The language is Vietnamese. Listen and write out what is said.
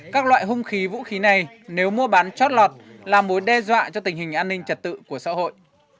các loại hung khí vũ khí này nếu mua bán chót lọt là mối đe dọa cho tình hình an ninh trật tự của xã hội